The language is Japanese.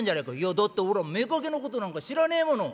「だっておら妾のことなんか知らねえもの」。